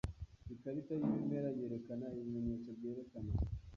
Ikarita y’ibimera yerekana ibimenyetso byerekana